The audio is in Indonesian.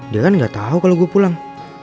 dia kan gak tau kalau gue pulang